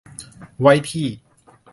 ไว้ที่